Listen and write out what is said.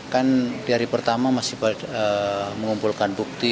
kan di hari pertama masih mengumpulkan bukti